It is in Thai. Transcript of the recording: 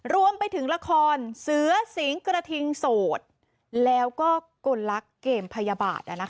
รวมไปถึงละครเสือสิงกระทิงโสดแล้วก็กลลักษณ์เกมพยาบาท